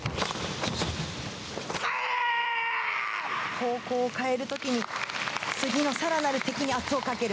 方向を変える時に更なる敵に圧をかける。